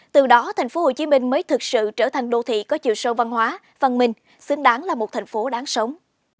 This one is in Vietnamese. từ đó tp hcm mới thực sự trở thành đô thị có chiều sâu văn hóa văn minh xứng đáng là một thành phố đáng sống